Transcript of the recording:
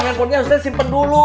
handphonenya harusnya simpen dulu